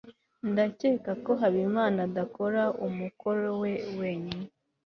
ndakeka ko habimana adakora umukoro we wenyine